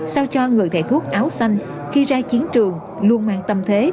sao cho người thầy thuốc áo xanh khi ra chiến trường luôn mang tâm thế